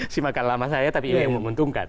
si makan lama saya tapi ini yang menguntungkan